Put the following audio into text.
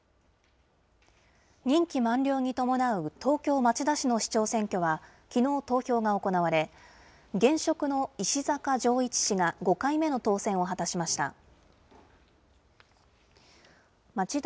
任期満了に伴う東京・町田市の市長選挙はきのう、投票が行われ、現職の石阪丈一氏が５回目の当選を果たしました。